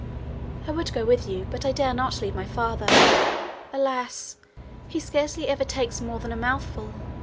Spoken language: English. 'I would go with you, but I dare not leave my father. Alas! He scarcely ever takes more than a mouthful.